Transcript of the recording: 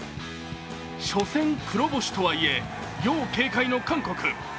初戦黒星とはいえ、要警戒の韓国。